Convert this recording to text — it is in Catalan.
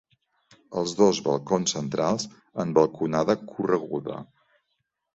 Els dos balcons centrals en balconada correguda.